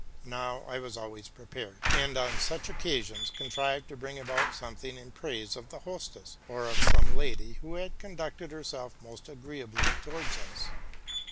Now, I was always prepared, and on such occasions contrived to bring out something in praise of the hostess, or of some lady who had conducted herself most agreeably towards me.